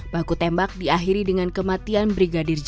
baku tembak diakhiri dengan kematian brigadir j